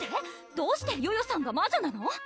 どうしてヨヨさんが魔女なの？